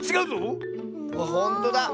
ほんとだ！